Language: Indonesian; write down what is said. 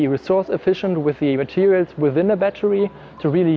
tapi untuk menyimpan grid dengan energi tambahan